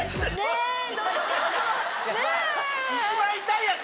一番痛いやつ。